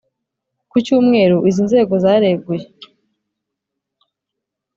Ku cyumweru, izi nzego zareguye